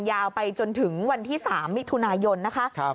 ยาวไปจนถึงวันที่๓มิถุนายนนะคะ